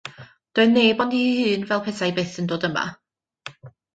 Doedd neb ond hi'i hun fel petai byth yn dod yma.